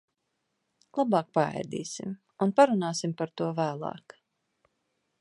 Labāk paēdīsim un parunāsim par to vēlāk.